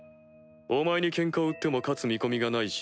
お前にケンカを売っても勝つ見込みがないしな。